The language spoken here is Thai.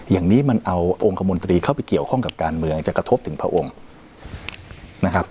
อย่างนี้มันเอาองค์คมนตรีเข้าไปเกี่ยวข้องกับการเมืองจะกระทบถึงพระองค์นะครับ